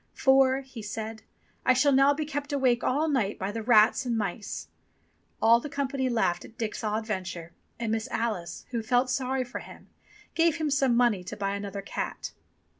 "For," he said, "I shall now be kept awake all night by the rats and mice." All the company laughed at Dick's odd venture, and Miss Alice, who felt sorry for him, gave him some money to buy another cat.